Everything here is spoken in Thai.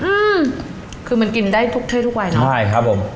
อืมคือมันกินได้ทุกเท่ทุกวัยเนอะใช่ครับผม